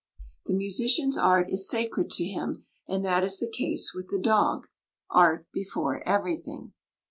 The musician's art is sacred to him, and that is the case with the dog Art before everything.